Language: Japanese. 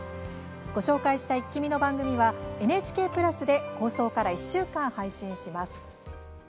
ご紹介した「イッキ見！」の番組はＮＨＫプラスで放送から１週間、配信します。